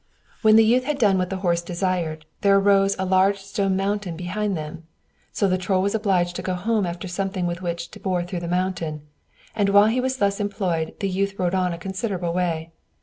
When the youth had done what the horse desired, there arose a large stone mountain behind them. So the Troll was obliged to go home after something with which to bore through the mountain; and while he was thus employed, the youth rode on a considerable way.